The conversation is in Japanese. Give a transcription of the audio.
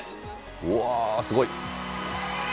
うわー、すごい。